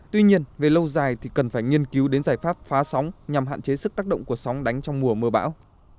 tuy nhiên về lâu dài thì cần phải nghiên cứu đến giải pháp phá sóng nhằm hạn chế sức tác động của sóng đánh trong mùa mưa bão